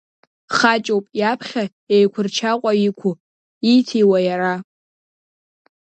Хаҷоуп иаԥхьа еиқәырчаҟәа иқәу, ииҭиуа иара!